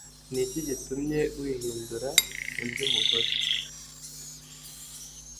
Ni iki gitumye wihindura undi mugore?